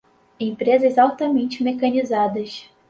empresas altamente mecanizadas